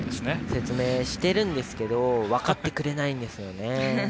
説明してるんですが分かってくれないんですよね。